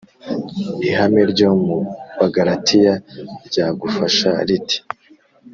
ihame ryo mu Bagalatiya ryagufasha rite?